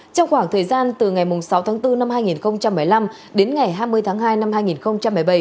trong khoảng thời gian từ ngày sáu tháng bốn năm hai nghìn một mươi năm đến ngày hai mươi tháng hai năm hai nghìn một mươi bảy